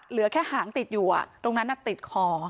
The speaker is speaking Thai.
เหลือแค่หางติดอยู่ตรงนั้นติดคอ